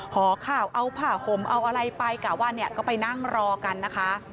ห่อข้าวเอาผ่าผมเอาอะไรไปกลัวว่าไปนั่งรอกันนะคะ